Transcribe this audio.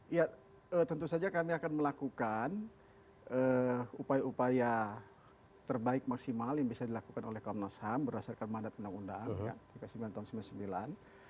iya tentu saja kami akan melakukan upaya upaya terbaik maksimal yang bisa dilakukan oleh komnas ham berdasarkan mandat pendak undang ya tiga puluh sembilan tahun sembilan puluh sembilan